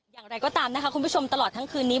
อย่างไรก็ตามนะคะคุณผู้ชมตลอดทั้งคืนนี้